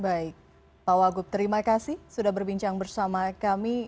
baik pak wagub terima kasih sudah berbincang bersama kami